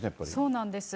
そうなんです。